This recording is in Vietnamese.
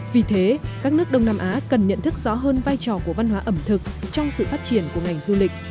vì thế các nước đông nam á cần nhận thức rõ hơn vai trò của văn hóa ẩm thực trong sự phát triển của ngành du lịch